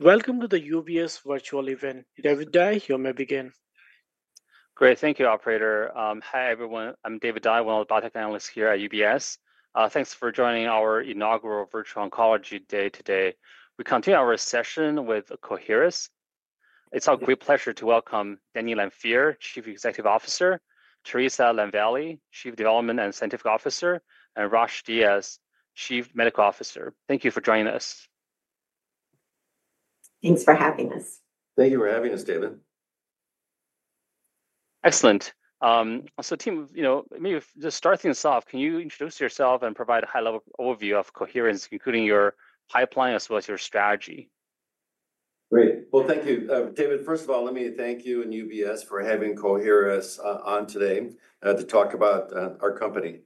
Welcome to the UBS virtual event. David Dai, you may begin. Great, thank you, operator. Hi, everyone. I'm David Dai, one of the biotech analysts here at UBS. Thanks for joining our inaugural virtual oncology day today. We continue our session with Coherus BioSciences. It's our great pleasure to welcome Denny Lanfear, Chief Executive Officer, Theresa Lavallee, Chief Development and Scientific Officer, and Rosh Dias, Chief Medical Officer. Thank you for joining us. Thanks for having us. Thank you for having us, David. Excellent. Team, you know, maybe just start things off. Can you introduce yourself and provide a high-level overview of Coherus, including your pipeline as well as your strategy? Great. Thank you. David, first of all, let me thank you and UBS for having Coherus BioSciences on today to talk about our company.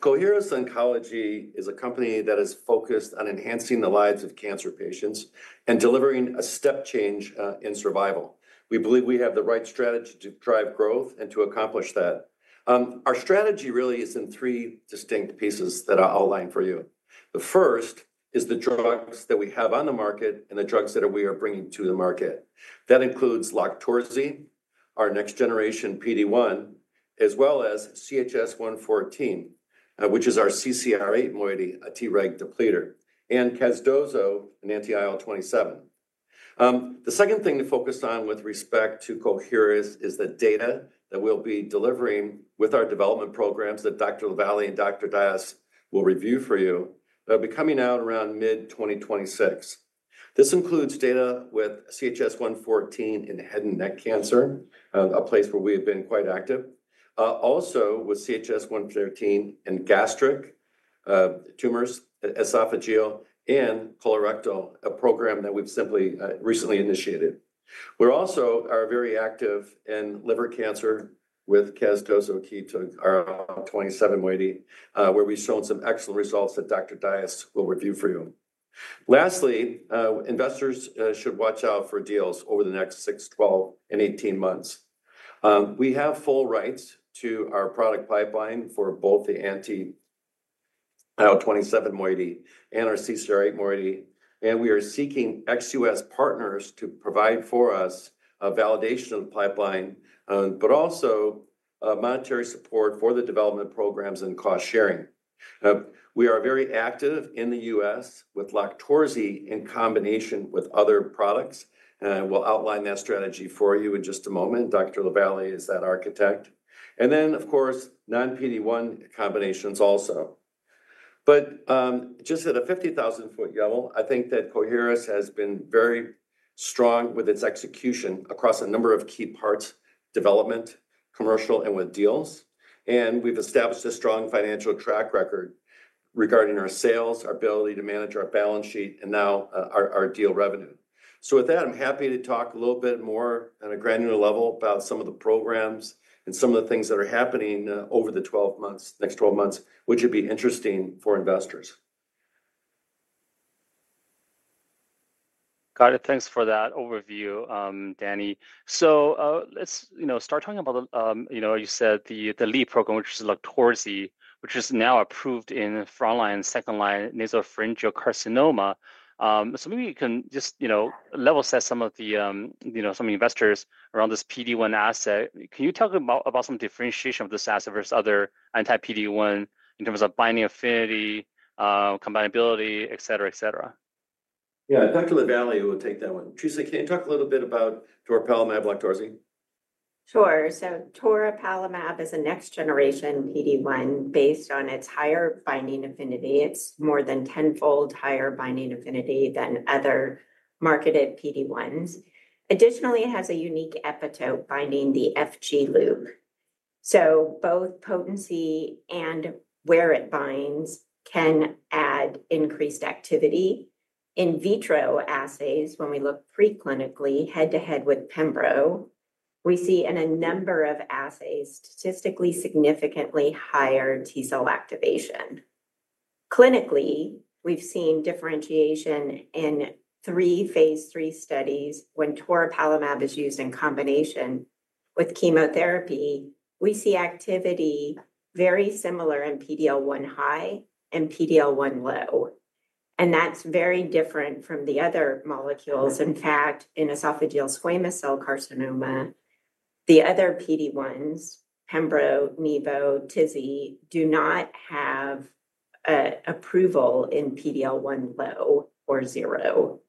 Coherus BioSciences is a company that is focused on enhancing the lives of cancer patients and delivering a step change in survival. We believe we have the right strategy to drive growth and to accomplish that. Our strategy really is in three distinct pieces that I'll outline for you. The first is the drugs that we have on the market and the drugs that we are bringing to the market. That includes LOQTORZI, our next-generation PD-1 inhibitor, as well as CHS-114, which is our anti-CCR8 antibody T-reg depletor, and casdozokitug, an anti-IL-27 antibody. The second thing to focus on with respect to Coherus BioSciences is the data that we'll be delivering with our development programs that Dr. Lavallee and Dr. Dias will review for you, coming out around mid-2026. This includes data with CHS-114 in head and neck cancer, a place where we've been quite active, also with CHS-114 in gastric tumors, esophageal, and colorectal, a program that we've recently initiated. We also are very active in liver cancer with casdozokitug, anti-IL-27 antibody, where we've shown some excellent results that Dr. Dias will review for you. Lastly, investors should watch out for deals over the next 6, 12, and 18 months. We have full rights to our product pipeline for both the anti-IL-27 antibody and our anti-CCR8 antibody, and we are seeking ex-US partners to provide for us a validation of the pipeline, but also monetary support for the development programs and cost sharing. We are very active in the U.S. with LOQTORZI in combination with other products. We'll outline that strategy for you in just a moment. Dr. Lavallee is the architect. Of course, non-PD-1 combinations also. At a 50,000 ft level, I think that Coherus BioSciences has been very strong with its execution across a number of key parts: development, commercial, and with deals. We've established a strong financial track record regarding our sales, our ability to manage our balance sheet, and now our deal revenue. With that, I'm happy to talk a little bit more at a granular level about some of the programs and some of the things that are happening over the next 12 months, which would be interesting for investors. Got it. Thanks for that overview, Denny. Let's start talking about, you said the lead program, which is LOQTORZI, which is now approved in frontline and second-line nasopharyngeal carcinoma. Maybe you can just level set some of the investors around this PD-1 asset. Can you talk about some differentiation of this asset versus other anti-PD-1 in terms of binding affinity, combinability, et cetera, et cetera? Yeah, Dr. Lavallee will take that one. Theresa, can you talk a little bit about toripalimab LOQTORZI? Sure. LOQTORZI is a next-generation PD-1 based on its higher binding affinity. It's more than tenfold higher binding affinity than other marketed PD-1s. Additionally, it has a unique epitope binding the FG loop. Both potency and where it binds can add increased activity. In vitro assays, when we look preclinically, head-to-head with Pembro, we see in a number of assays statistically significantly higher T-cell activation. Clinically, we've seen differentiation in three phase III studies when LOQTORZI is used in combination with chemotherapy. We see activity very similar in PD-L1 high and PD-L1 low. That's very different from the other molecules. In fact, in esophageal squamous cell carcinoma, the other PD-1s, Pembro, Nivo, Tizi, do not have approval in PD-L1 low or zero.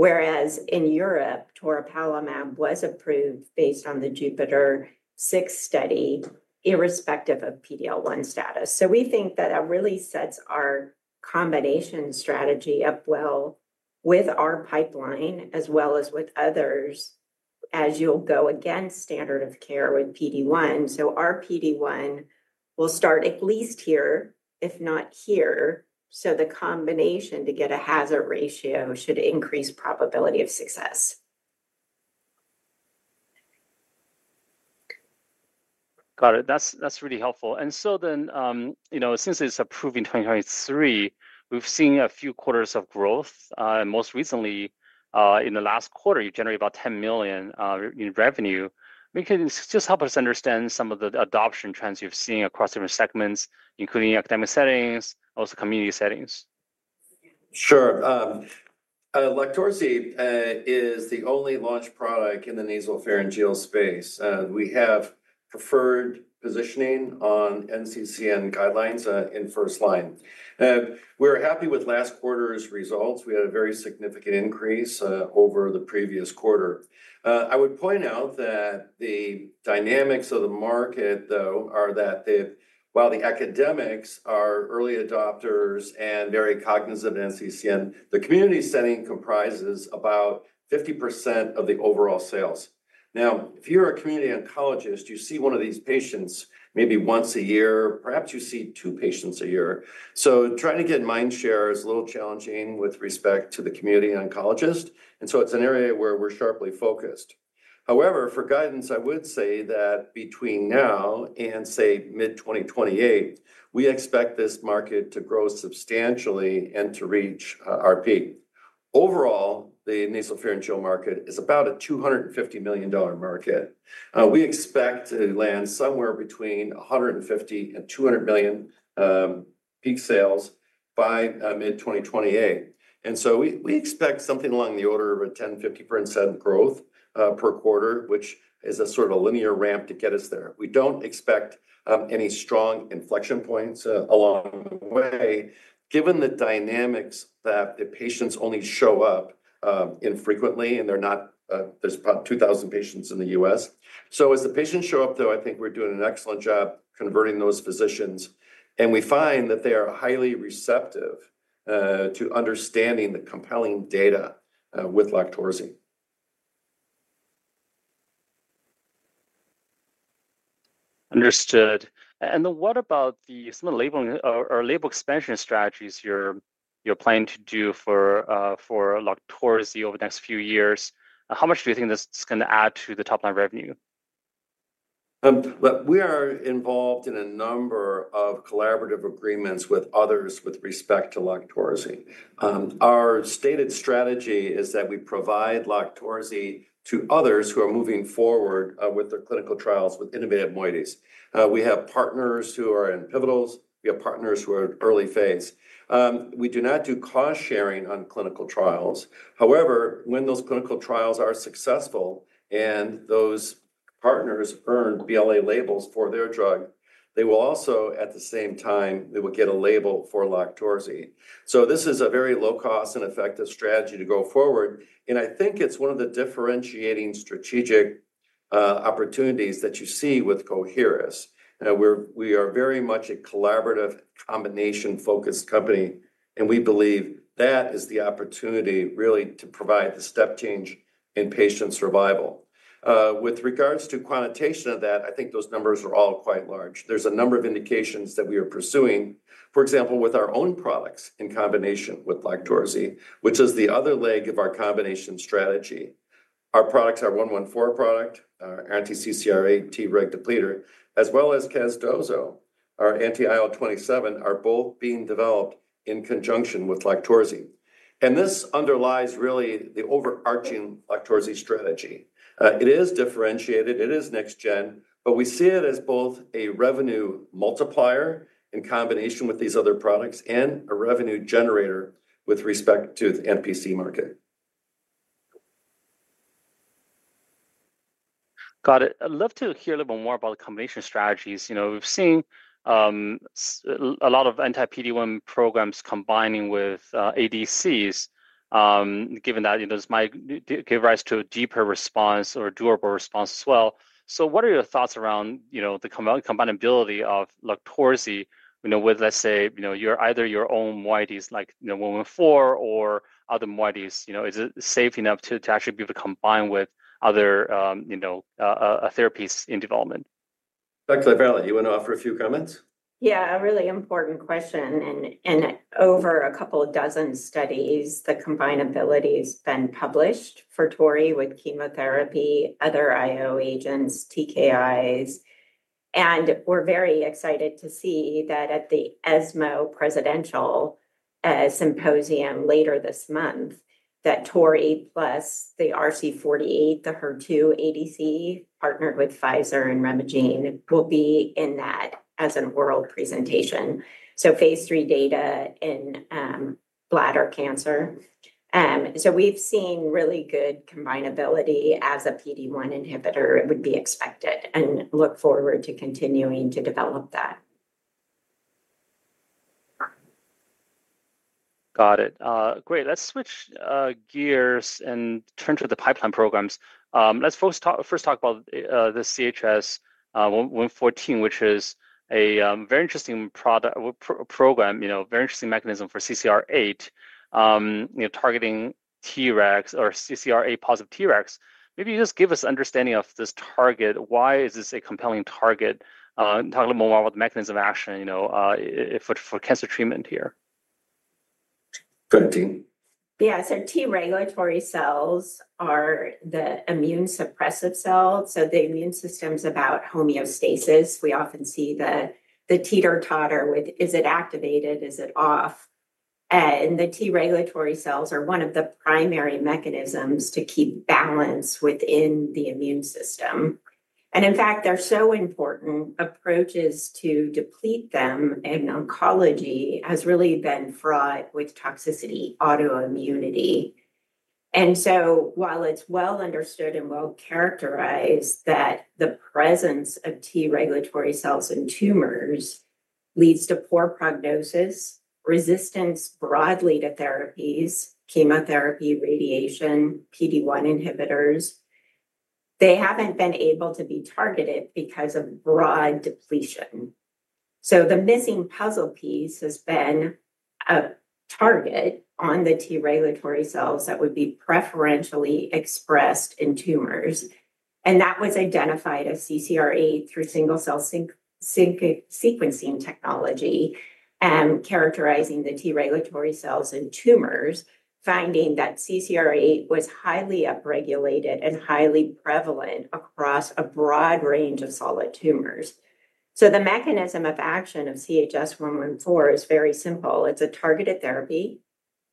In Europe, LOQTORZI was approved based on the Jupiter-6 study, irrespective of PD-L1 status. We think that really sets our combination strategy up well with our pipeline as well as with others, as you'll go against standard of care with PD-1. Our PD-1 will start at least here, if not here. The combination to get a hazard ratio should increase probability of success. Got it. That's really helpful. Since it's approved in 2023, we've seen a few quarters of growth. Most recently, in the last quarter, you generated about $10 million in revenue. Can you just help us understand some of the adoption trends you've seen across different segments, including academic settings and also community settings? Sure. LOQTORZI is the only launch product in the nasopharyngeal space. We have preferred positioning on NCCN guidelines in frontline. We're happy with last quarter's results. We had a very significant increase over the previous quarter. I would point out that the dynamics of the market, though, are that while the academics are early adopters and very cognizant of NCCN, the community setting comprises about 50% of the overall sales. Now, if you're a community oncologist, you see one of these patients maybe once a year, perhaps you see two patients a year. Trying to get mind share is a little challenging with respect to the community oncologist. It's an area where we're sharply focused. However, for guidance, I would say that between now and, say, mid-2028, we expect this market to grow substantially and to reach RP. Overall, the nasopharyngeal market is about a $250 million market. We expect to land somewhere between $150 million and $200 million peak sales by mid-2028. We expect something along the order of a 10%-15% growth per quarter, which is a sort of a linear ramp to get us there. We don't expect any strong inflection points along the way, given the dynamics that the patients only show up infrequently, and there's about 2,000 patients in the U.S. As the patients show up, though, I think we're doing an excellent job converting those physicians. We find that they are highly receptive to understanding the compelling data with LOQTORZI. Understood. What about some of the labor expansion strategies you're planning to do for LOQTORZI over the next few years? How much do you think this is going to add to the top-line revenue? We are involved in a number of collaborative agreements with others with respect to LOQTORZI. Our stated strategy is that we provide LOQTORZI to others who are moving forward with their clinical trials with innovative moieties. We have partners who are in pivotals. We have partners who are in early phase. We do not do cost sharing on clinical trials. However, when those clinical trials are successful and those partners earn BLA labels for their drug, they will also, at the same time, get a label for LOQTORZI. This is a very low-cost and effective strategy to go forward. I think it's one of the differentiating strategic opportunities that you see with Coherus. We are very much a collaborative, combination-focused company. We believe that is the opportunity, really, to provide the step change in patient survival. With regards to quantitation of that, I think those numbers are all quite large. There's a number of indications that we are pursuing, for example, with our own products in combination with LOQTORZI, which is the other leg of our combination strategy. Our products, our CHS-114 product, our anti-CCR8 T-reg depletor, as well as casdozokitug, our anti-IL-27, are both being developed in conjunction with LOQTORZI. This underlies really the overarching LOQTORZI strategy. It is differentiated. It is next-gen, but we see it as both a revenue multiplier in combination with these other products and a revenue generator with respect to the NPC market. Got it. I'd love to hear a little bit more about the combination strategies. We've seen a lot of anti-PD-1 programs combining with ADCs, given that this might give rise to a deeper response or a durable response as well. What are your thoughts around the combinability of LOQTORZI with, let's say, either your own moieties like CHS-114 or other moieties? Is it safe enough to actually be able to combine with other therapies in development? Dr. Lavallee, do you want to offer a few comments? Yeah, a really important question. Over a couple dozen studies, the combinability has been published for Tori with chemotherapy, other IO agents, TKIs. We're very excited to see that at the ESMO Presidential Symposium later this month, Tori plus the RC48, the HER2 ADC, partnered with Pfizer and Remegen, will be in that as a world presentation. Phase III data in bladder cancer. We've seen really good combinability as a PD-1 inhibitor would be expected and look forward to continuing to develop that. Got it. Great. Let's switch gears and turn to the pipeline programs. Let's first talk about the CHS-114, which is a very interesting product, a program, a very interesting mechanism for CCR8, targeting T-regs or CCR8 positive T-regs. Maybe you just give us an understanding of this target. Why is this a compelling target? Talk a little bit more about the mechanism of action for cancer treatment here. Yeah, so regulatory T cells are the immune suppressive cells. The immune system's about homeostasis. We often see the teeter-totter with, is it activated? Is it off? The regulatory T cells are one of the primary mechanisms to keep balance within the immune system. In fact, they're so important approaches to deplete them in oncology have really been fraught with toxicity, autoimmunity. While it's well understood and well characterized that the presence of regulatory T cells in tumors leads to poor prognosis, resistance broadly to therapies, chemotherapy, radiation, PD-1 inhibitors, they haven't been able to be targeted because of broad depletion. The missing puzzle piece has been a target on the regulatory T cells that would be preferentially expressed in tumors. That was identified as CCR8 through single-cell sequencing technology, characterizing the regulatory T cells in tumors, finding that CCR8 was highly upregulated and highly prevalent across a broad range of solid tumors. The mechanism of action of CHS-114 is very simple. It's a targeted therapy.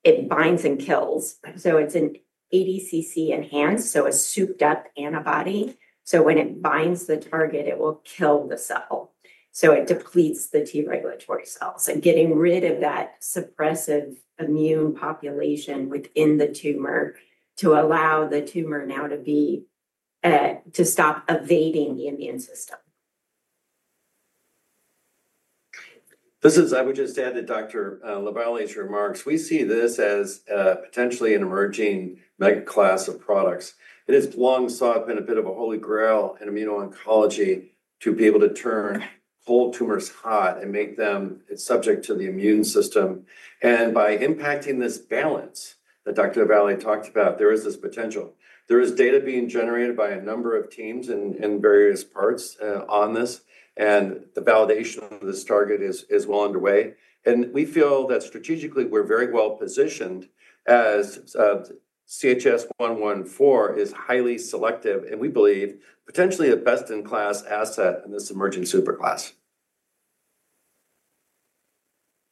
It binds and kills. It's an ADCC-enhanced, so a souped-up antibody. When it binds the target, it will kill the cell. It depletes the regulatory T cells, getting rid of that suppressive immune population within the tumor to allow the tumor now to stop evading the immune system. I would just add to Dr. Lavallee's remarks. We see this as potentially an emerging mega-class of products. It is long sought and a bit of a holy grail in immuno-oncology to be able to turn whole tumors hot and make them subject to the immune system. By impacting this balance that Dr. Lavallee talked about, there is this potential. There is data being generated by a number of teams in various parts on this. The validation of this target is well underway. We feel that strategically, we're very well positioned, as CHS-114 is highly selective. We believe potentially a best-in-class asset in this emerging superclass.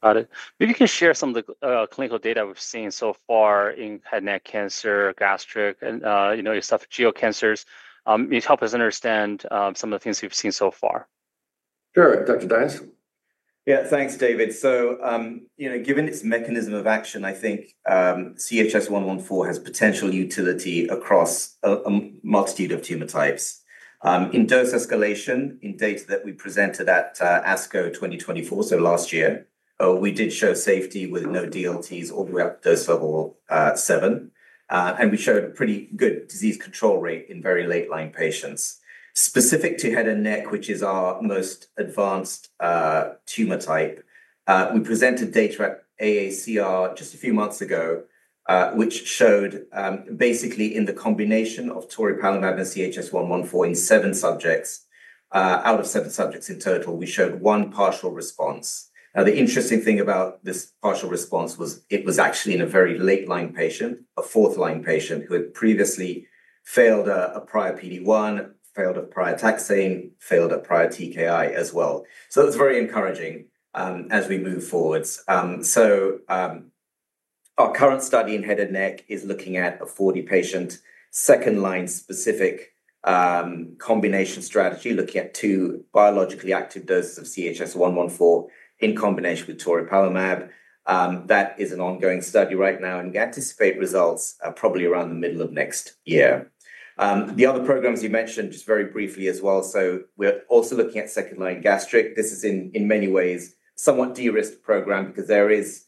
Got it. Maybe you can share some of the clinical data we've seen so far in head and neck cancer, gastric, and esophageal cancers. It helps us understand some of the things we've seen so far. Sure, Dr. Dias? Yeah, thanks, David. Given its mechanism of action, I think CHS-114 has potential utility across a multitude of tumor types. In dose escalation, in data that we presented at ASCO 2024, last year, we did show safety with no DLTs all the way up to dose level 7. We showed a pretty good disease control rate in very late-line patients. Specific to head and neck, which is our most advanced tumor type, we presented data at AACR just a few months ago, which showed basically in the combination of LOQTORZI and CHS-114 in seven subjects, out of seven subjects in total, we showed one partial response. The interesting thing about this partial response was it was actually in a very late-line patient, a fourth-line patient who had previously failed a prior PD-1, failed a prior taxane, failed a prior TKI as well. That's very encouraging as we move forward. Our current study in head and neck is looking at a 40-patient second-line specific combination strategy, looking at two biologically active doses of CHS-114 in combination with LOQTORZI. That is an ongoing study right now. We anticipate results probably around the middle of next year. The other programs you mentioned just very briefly as well, we're also looking at second-line gastric. This is in many ways a somewhat de-risked program because there is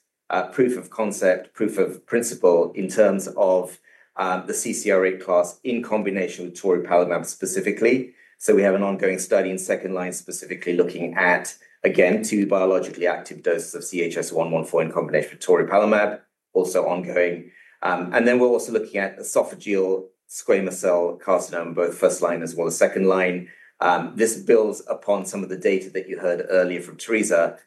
proof of concept, proof of principle in terms of the CCR8 class in combination with LOQTORZI specifically. We have an ongoing study in second-line specifically looking at, again, two biologically active doses of CHS-114 in combination with LOQTORZI, also ongoing. We're also looking at esophageal squamous cell carcinoma, both first-line as well as second-line. This builds upon some of the data that you heard earlier from Theresa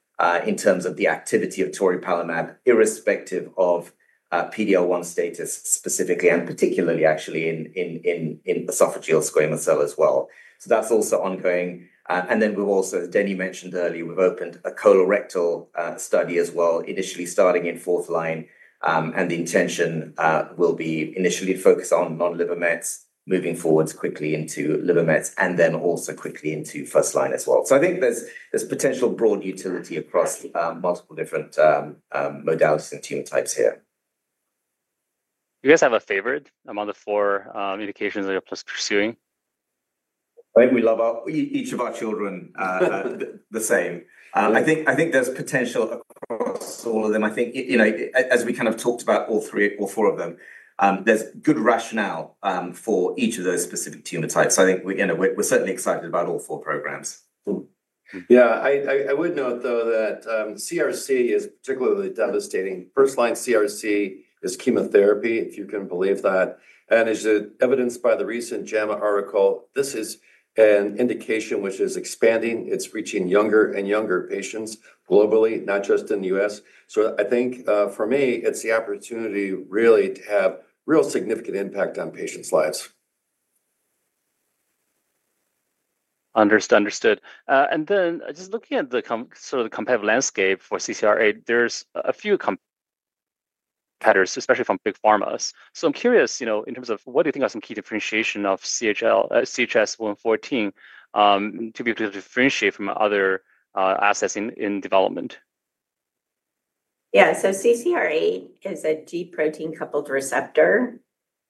in terms of the activity of LOQTORZI irrespective of PD-L1 status specifically, and particularly actually in esophageal squamous cell as well. That's also ongoing. We've also, as Denny mentioned earlier, opened a colorectal study as well, initially starting in fourth line. The intention will be initially to focus on non-liver mets, moving forwards quickly into liver mets, and then also quickly into first-line as well. I think there's potential broad utility across multiple different modalities and tumor types here. Do you guys have a favorite among the four indications that you're pursuing? I think we love each of our children the same. I think there's potential across all of them. As we kind of talked about all three, all four of them, there's good rationale for each of those specific tumor types. I think we're certainly excited about all four programs. I would note, though, that CRC is particularly devastating. First-line CRC is chemotherapy, if you can believe that. As evidenced by the recent JAMA article, this is an indication which is expanding. It's reaching younger and younger patients globally, not just in the U.S. I think, for me, it's the opportunity really to have real significant impact on patients' lives. Understood, understood. Just looking at the sort of the competitive landscape for CCR8, there's a few competitors, especially from big pharmas. I'm curious, in terms of what do you think are some key differentiations of CHS-114 to be able to differentiate from other assets in development? Yeah, so CCR8 is a GPCR,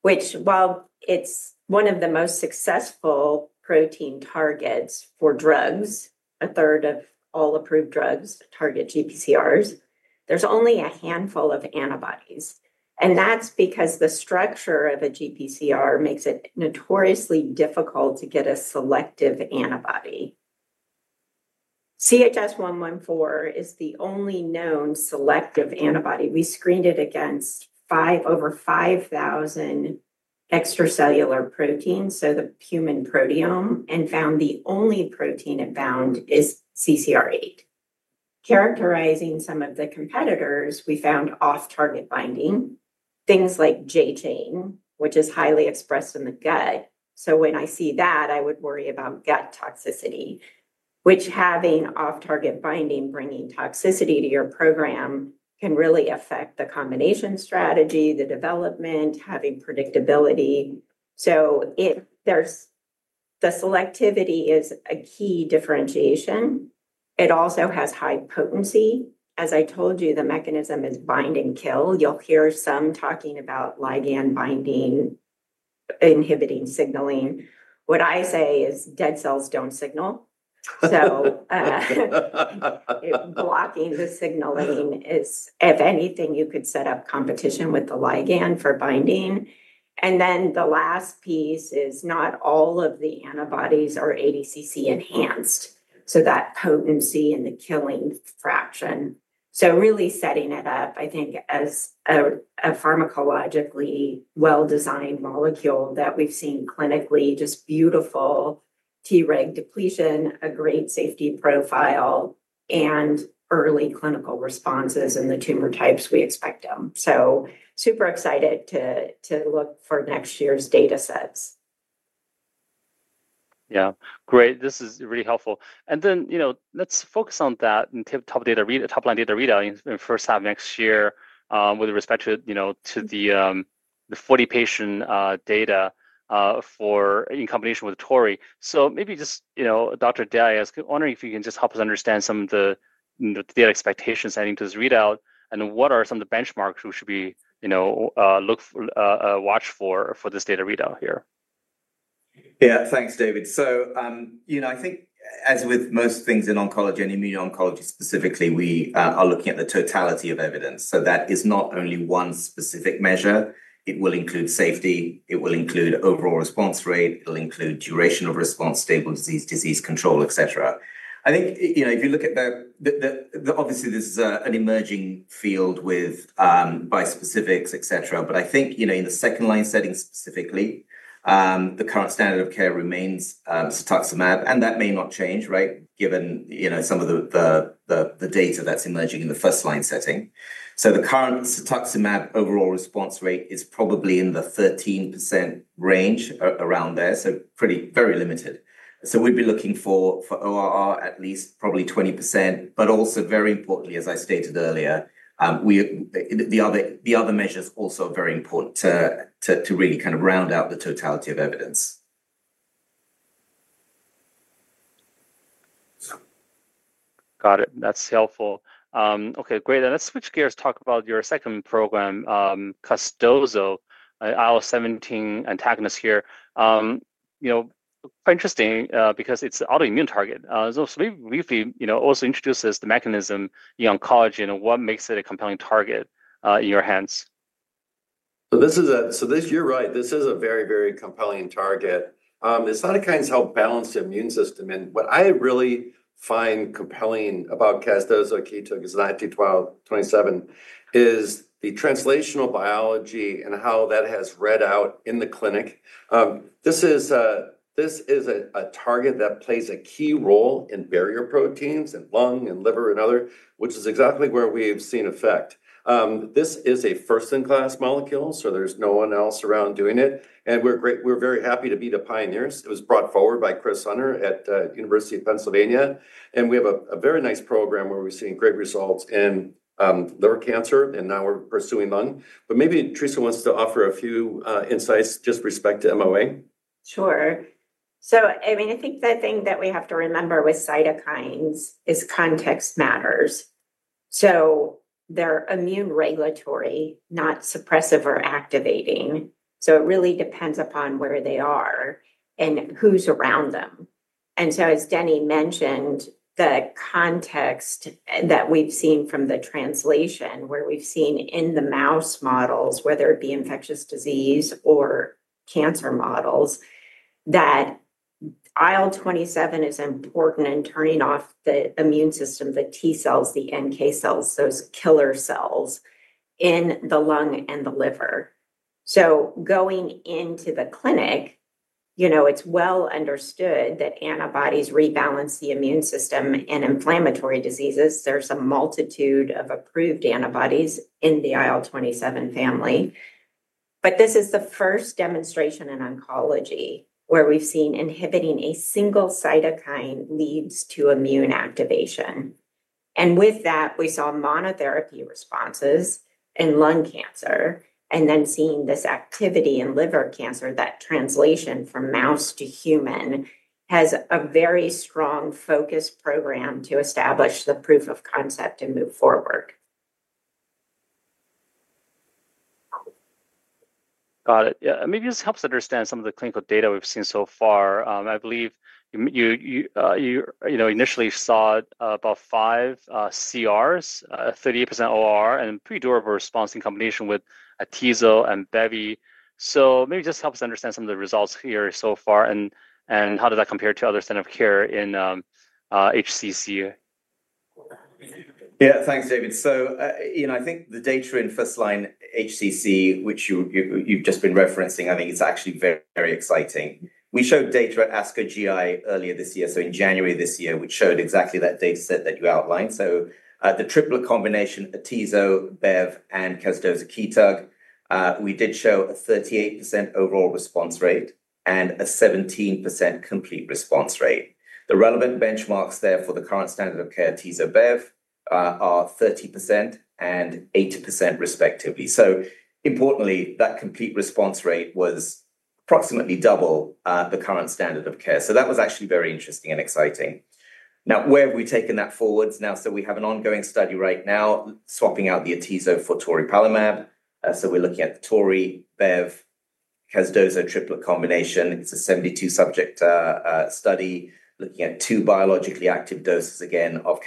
which, while it's one of the most successful protein targets for drugs, a third of all approved drugs target GPCRs, there's only a handful of antibodies. That's because the structure of a GPCR makes it notoriously difficult to get a selective antibody. CHS-114 is the only known selective antibody. We screened it against over 5,000 extracellular proteins, so the human proteome, and found the only protein that bound is CCR8. Characterizing some of the competitors, we found off-target binding, things like J-chain, which is highly expressed in the gut. When I see that, I would worry about gut toxicity, which having off-target binding bringing toxicity to your program can really affect the combination strategy, the development, having predictability. The selectivity is a key differentiation. It also has high potency. As I told you, the mechanism is bind and kill. You'll hear some talking about ligand binding, inhibiting signaling. What I say is dead cells don't signal. Blocking the signaling is, if anything, you could set up competition with the ligand for binding. The last piece is not all of the antibodies are ADCC enhanced. That potency and the killing fraction. Really setting it up, I think, as a pharmacologically well-designed molecule that we've seen clinically, just beautiful T-reg depletion, a great safety profile, and early clinical responses in the tumor types we expect them. Super excited to look for next year's data sets. Yeah, great. This is really helpful. Let's focus on that top-line data readout in the first half of next year with respect to the 40-patient data in combination with Tori. Maybe just, Dr. Dias, I'm wondering if you can just help us understand some of the data expectations heading to this readout and what are some of the benchmarks we should be watching for for this data readout here. Yeah, thanks, David. I think as with most things in oncology, and in new oncology specifically, we are looking at the totality of evidence. That is not only one specific measure. It will include safety, overall response rate, duration of response, stable disease, disease control, et cetera. If you look at that, obviously, this is an emerging field with bispecifics, et cetera. In the second-line setting specifically, the current standard of care remains cetuximab. That may not change, given some of the data that's emerging in the first-line setting. The current cetuximab overall response rate is probably in the 13% range, around there, so pretty, very limited. We'd be looking for ORR at least probably 20%. Also, very importantly, as I stated earlier, the other measures also are very important to really kind of round out the totality of evidence. Got it. That's helpful. OK, great. Let's switch gears. Talk about your second program, casdozokitug, IL-27 antagonist here. You know, quite interesting because it's an autoimmune target. Maybe briefly, you know, also introduce us the mechanism in oncology and what makes it a compelling target in your hands. You're right. This is a very, very compelling target. The cytokines help balance the immune system. What I really find compelling about casdozokitug because of the IL-27 is the translational biology and how that has read out in the clinic. This is a target that plays a key role in barrier proteins in lung and liver and other, which is exactly where we've seen effect. This is a first-in-class molecule. There's no one else around doing it, and we're very happy to be the pioneers. It was brought forward by Chris Hunter at the University of Pennsylvania. We have a very nice program where we've seen great results in liver cancer, and now we're pursuing lung. Maybe Theresa wants to offer a few insights just with respect to MOA. Sure. I think the thing that we have to remember with cytokines is context matters. They're immune regulatory, not suppressive or activating. It really depends upon where they are and who's around them. As Denny mentioned, the context that we've seen from the translation, where we've seen in the mouse models, whether it be infectious disease or cancer models, that IL-27 is important in turning off the immune system, the T cells, the NK cells, those killer cells in the lung and the liver. Going into the clinic, it's well understood that antibodies rebalance the immune system in inflammatory diseases. There's a multitude of approved antibodies in the IL-27 family. This is the first demonstration in oncology where we've seen inhibiting a single cytokine leads to immune activation. With that, we saw monotherapy responses in lung cancer. Then seeing this activity in liver cancer, that translation from mouse to human has a very strong focused program to establish the proof of concept and move forward. Got it. Yeah, and maybe this helps understand some of the clinical data we've seen so far. I believe you initially saw about five CRs, a 38% OR, and a pretty durable response in combination with atezolizumab and bevacizumab. Maybe just help us understand some of the results here so far. How does that compare to other standards of care in hepatocellular carcinoma? Yeah, thanks, David. I think the data in first-line HCC, which you've just been referencing, is actually very exciting. We showed data at ASCO GI earlier this year, in January 2024, which showed exactly that data set that you outlined. The triple combination atezolizumab, bevacizumab, and casdozokitug, we did show a 38% overall response rate and a 17% complete response rate. The relevant benchmarks there for the current standard of care atezolizumab and bevacizumab are 30% and 8% respectively. Importantly, that complete response rate was approximately double the current standard of care. That was actually very interesting and exciting. Where have we taken that forwards now? We have an ongoing study right now swapping out the atezolizumab for LOQTORZI. We're looking at the LOQTORZI, bevacizumab, casdozokitug triple combination. It's a 72-subject study looking at two biologically active doses again of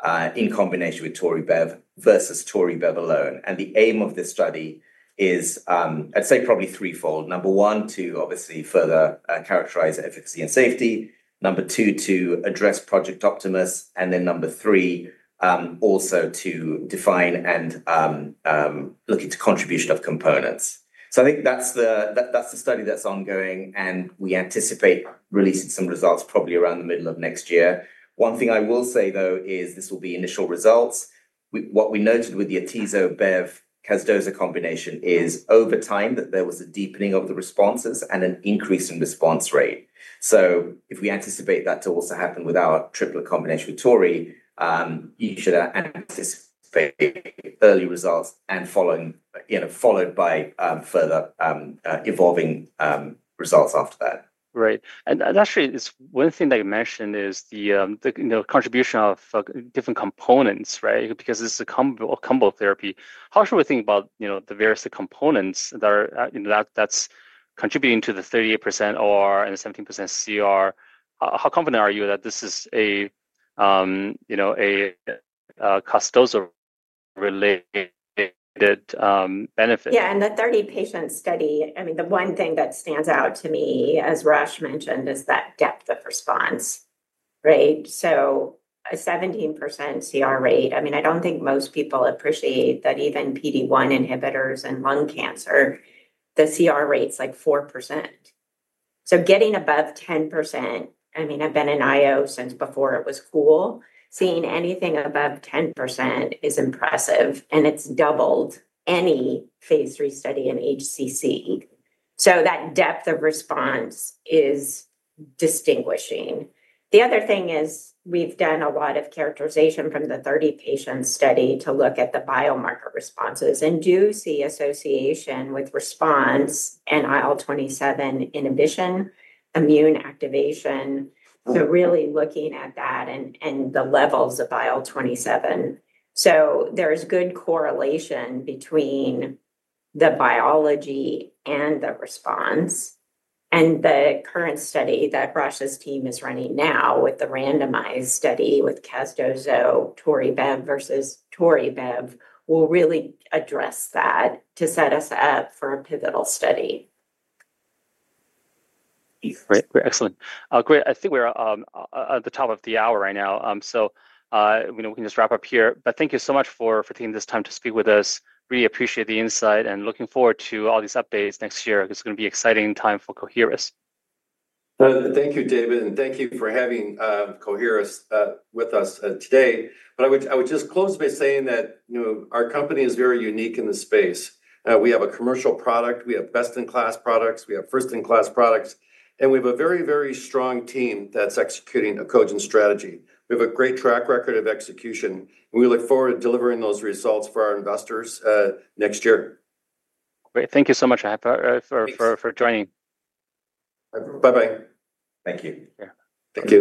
casdozokitug in combination with LOQTORZI and bevacizumab versus LOQTORZI and bevacizumab alone. The aim of this study is, I'd say, probably threefold. Number one, to obviously further characterize efficacy and safety. Number two, to address Project Optimus. Number three, also to define and look at the contribution of components. I think that's the study that's ongoing, and we anticipate releasing some results probably around the middle of next year. One thing I will say, though, is this will be initial results. What we noted with the atezolizumab, bevacizumab, casdozokitug combination is over time that there was a deepening of the responses and an increase in response rate. If we anticipate that to also happen with our triple combination with LOQTORZI, you should anticipate early results followed by further evolving results after that. Right. Actually, this one thing that you mentioned is the contribution of different components, right? This is a combo therapy. How should we think about the various components that are contributing to the 38% OR and the 17% CR? How confident are you that this is a Casdozokitug-related benefit? Yeah, in the 30-patient study, the one thing that stands out to me, as Rosh mentioned, is that depth of response, right? A 17% CR rate. I don't think most people appreciate that even PD-1 inhibitors in lung cancer, the CR rate's like 4%. Getting above 10%, I've been in IO since before it was full. Seeing anything above 10% is impressive. It's doubled any phase III study in HCC. That depth of response is distinguishing. The other thing is we've done a lot of characterization from the 30-patient study to look at the biomarker responses and do see association with response and IL-27 inhibition, immune activation. Really looking at that and the levels of IL-27. There is good correlation between the biology and the response. The current study that Rosh's team is running now with the randomized study with casdozokitug, Tori, bev versus Tori, bev will really address that to set us up for a pivotal study. Great. We're excellent. Great. I think we're at the top of the hour right now. We can just wrap up here. Thank you so much for taking this time to speak with us. Really appreciate the insight. Looking forward to all these updates next year. It's going to be an exciting time for Coherus. Thank you, David. Thank you for having Coherus with us today. I would just close by saying that our company is very unique in the space. We have a commercial product. We have best-in-class products. We have first-in-class products. We have a very, very strong team that's executing a cogent strategy. We have a great track record of execution. We look forward to delivering those results for our investors next year. Great. Thank you so much for joining. Bye-bye. Thank you. Yeah. Thank you.